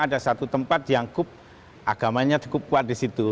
ada satu tempat yang agamanya cukup kuat di situ